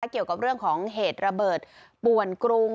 เกี่ยวกับเรื่องของเหตุระเบิดป่วนกรุง